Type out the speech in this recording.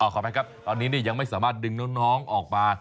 ขออภัยครับตอนนี้ยังไม่สามารถดึงน้องออกมา